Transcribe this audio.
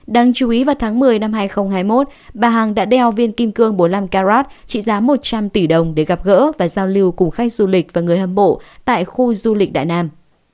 đáng chú ý vào tháng một mươi năm hai nghìn hai mươi một bà hằng đã đeo viên kim cương bốn mươi năm carod trị giá một trăm linh tỷ đồng để gặp gỡ và giao lưu cùng khách du lịch và người hâm mộ tại khu du lịch đại nam